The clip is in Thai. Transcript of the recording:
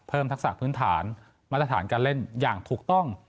ทักษะพื้นฐานมาตรฐานการเล่นอย่างถูกต้อง